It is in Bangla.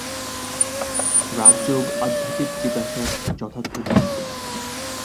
রাজযোগ আধ্যাত্মিক জিজ্ঞাসার যথার্থ যন্ত্র।